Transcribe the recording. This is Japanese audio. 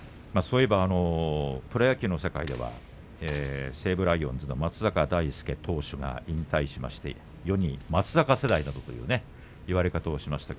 プロ野球の世界では西武ライオンズの松坂大輔投手が引退をして世に、松坂世代などといういわれ方をしました。